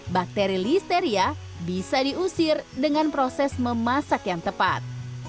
bakteri listeria bisa diusir dengan proses memasak yang tepat